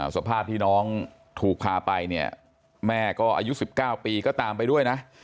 สภาพที่น้องถูกพาไปเนี่ยแม่ก็อายุ๑๙ปีก็ตามไปด้วยนะ